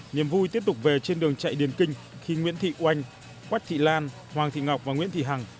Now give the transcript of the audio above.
nhiềm vui tiếp tục về trên đường chạy điền kinh khi nguyễn thị oanh quách thị lan hoàng thị ngọc và nguyễn thị hằng